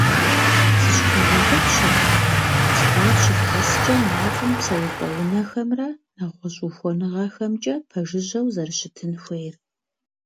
Зыщывмыгъэгъупщэ, удз гъуар щывгъэскӏэ мафӏэм псэупӏэ унэхэмрэ нэгъуэщӏ ухуэныгъэхэмкӏэ пэжыжьэу зэрыщытын хуейр.